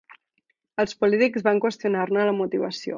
Els polítics van qüestionar-ne la motivació.